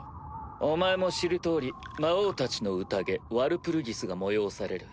お前も知る通り魔王たちの宴ワルプルギスが催される。